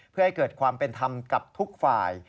เพื่อให้เกิดความเป็นธรรมกับทุกฝ่าย